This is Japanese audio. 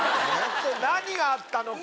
何があったのか。